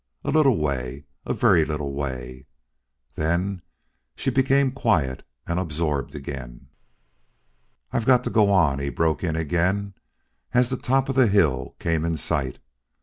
"A little way, a very little way!" Then she became quiet and absorbed again. "I've got to go on," he broke in again as the top of the hill came in sight.